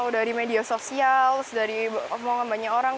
dari media sosial dari omongan banyak orang